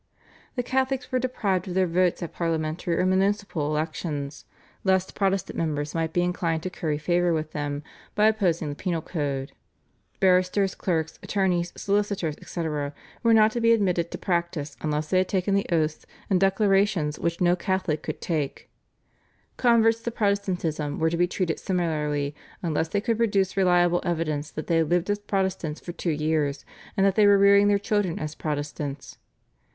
The Catholics were deprived of their votes at parliamentary or municipal elections lest Protestant members might be inclined to curry favour with them by opposing the penal code; barristers, clerks, attornies, solicitors, etc., were not to be admitted to practice unless they had taken the oaths and declarations which no Catholic could take; converts to Protestantism were to be treated similarly unless they could produce reliable evidence that they had lived as Protestants for two years, and that they were rearing their children as Protestants.